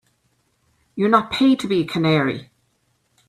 You're not paid to be a canary.